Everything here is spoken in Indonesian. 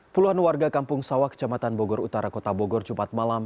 puluhan warga kampung sawah kecamatan bogor utara kota bogor jumat malam